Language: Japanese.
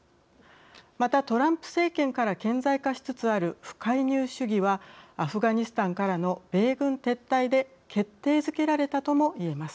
またトランプ政権から顕在化しつつある不介入主義はアフガニスタンからの米軍撤退で決定づけられたともいえます。